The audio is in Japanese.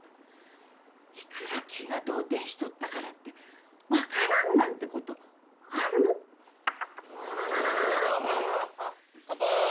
いくら気が動転しとったからって分からんなんてことある？わすごい！